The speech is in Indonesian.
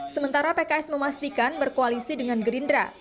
sementara pks memastikan berkoalisi dengan gerindra